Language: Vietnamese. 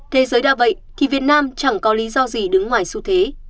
thế giới đã vậy thì việt nam chẳng có lý do gì đứng ngoài xu thế